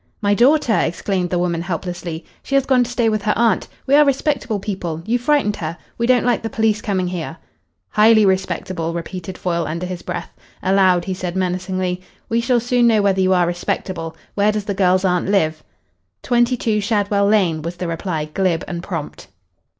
"My daughter?" exclaimed the woman helplessly. "She has gone to stay with her aunt. We are respectable people. You frightened her. We don't like the police coming here." "Highly respectable," repeated Foyle under his breath. Aloud he said menacingly, "We shall soon know whether you are respectable. Where does the girl's aunt live?" "Twenty two Shadwell Lane," was the reply, glib and prompt.